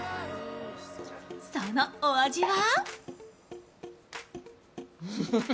そのお味は？